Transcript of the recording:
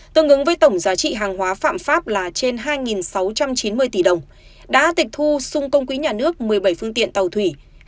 tương ứng với tổng giá trị hàng hóa phạm pháp là trên hai sáu trăm chín mươi tỷ đồng đã tịch thu xung công quỹ nhà nước một mươi bảy phương tiện tàu thủy